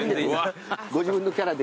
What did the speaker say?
ご自分のキャラで。